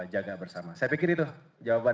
jaga bersama saya pikir itu jawaban